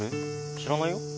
知らないよ。